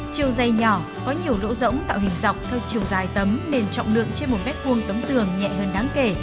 chiều dây nhỏ có nhiều lỗ rỗng tạo hình dọc theo chiều dài tấm nên trọng lượng trên một m hai tấm tường nhẹ hơn đáng kể